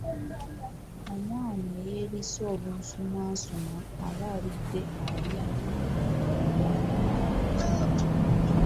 Omwana eyeriisa obunsumwansumwa aba alidde alya ngatayagala.